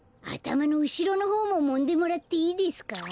あたまのうしろのほうももんでもらっていいですか？